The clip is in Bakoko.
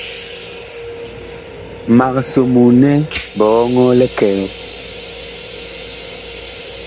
Mag somoo nɛ biɔŋɔɔ likɛɛ.